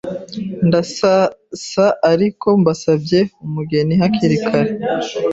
Ndazasaa riko mbasabye umugeni hakiri kare